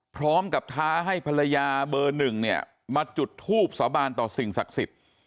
ท้าให้ภรรยาเบอร์หนึ่งเนี่ยมาจุดทูบสาบานต่อสิ่งศักดิ์สิทธิ์